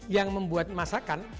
yang membuat masakan